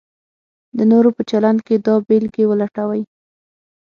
د نورو په چلند کې دا بېلګې ولټوئ: